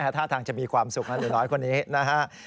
ท่าทางจะมีความสุขอันน้อยคนนี้นะครับ